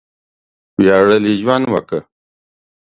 وياړلی ژوند وکړه!